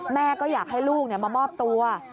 แม่ก็อยากให้ลูกมามอบตัว